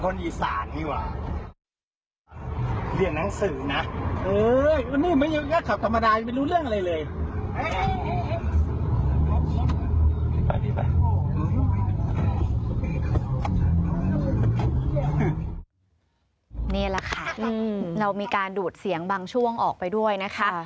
นี่แหละค่ะเรามีการดูดเสียงบางช่วงออกไปด้วยนะคะ